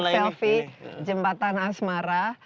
ada spot selfie jembatan asmara